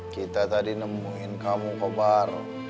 kita tadi nemuin kamu ke bar